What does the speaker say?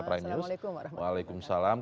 prime news assalamualaikum warahmatullahi wabarakatuh